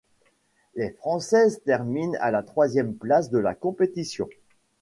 Les Françaises terminent à la troisième place de la compétition.